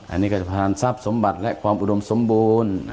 อันนี้ก็จะผ่านทรัพย์สมบัติและความอุดมสมบูรณ์